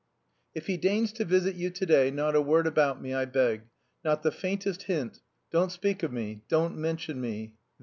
"If he deigns to visit you to day, not a word about me, I beg. Not the faintest hint. Don't speak of me, don't mention me.